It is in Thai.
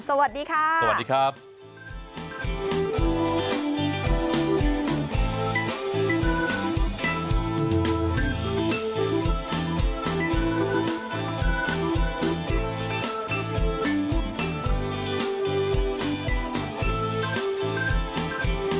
สวัสดีค่ะสวัสดีครับสวัสดีครับ